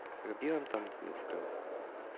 "Robiłem tam na dniówkę."